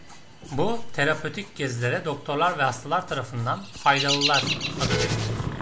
Bu terapötik gezilere doktorlar ve hastalar tarafından "faydalılar" adı verildi.